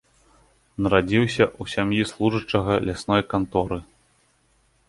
Нарадзіўся ў сям'і служачага лясной канторы.